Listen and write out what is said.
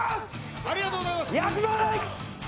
ありがとうございます。